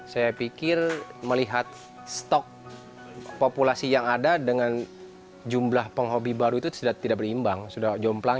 saya pikir melihat stok populasi yang ada dengan jumlah penghobi baru itu sudah tidak berimbang sudah jomplang